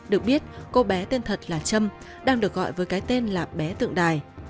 được biết cô bé tên thật là trâm đang được gọi với cái tên là bé tượng đài